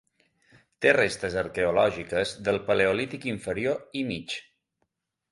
Té restes arqueològiques del paleolític Inferior i Mig.